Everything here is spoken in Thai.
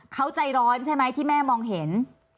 เขาใจร้อนใช่ไหมที่แม่มองเห็น